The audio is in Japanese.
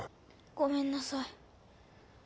ごめんなさい。